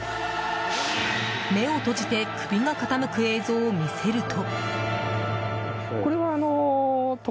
目を閉じて首が傾く映像を見せると。